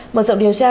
mở rộng điều tra